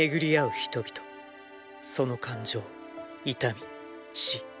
人々その感情痛み死。